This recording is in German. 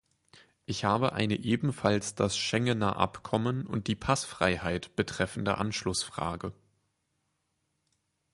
Ich habe eine ebenfalls das Schengener Abkommen und die Passfreiheit betreffende Anschlussfrage.